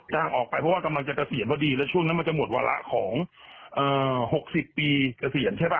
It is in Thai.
ออกไปเพราะว่ากำลังจะเกษียณพอดีแล้วช่วงนั้นมันจะหมดวาระของ๖๐ปีเกษียณใช่ป่